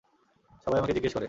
সবাই আমাকে জিগ্গেস করে।